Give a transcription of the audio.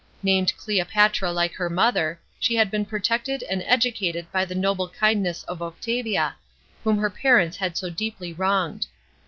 Named Cleopatra like her mother, she had been protected and educated by the noble kindness of Octavia, whom her parents had so deeply wronged.